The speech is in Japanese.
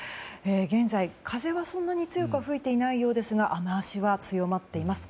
現在、風はそんなに強くは吹いていないようですが雨脚は強まっています。